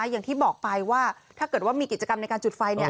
อย่างที่บอกไปว่าถ้าเกิดว่ามีกิจกรรมในการจุดไฟ